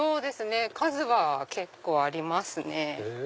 数は結構ありますね。